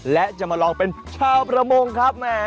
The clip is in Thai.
และจะมาลองเป็นชาวประมงครับ